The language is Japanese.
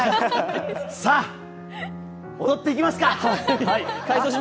さあ、踊っていきますか。